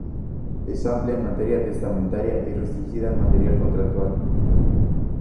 Es amplia en materia testamentaria y restringida en materia contractual.